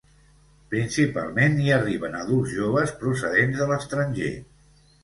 Principalment, hi arriben adults joves procedents de l’estranger.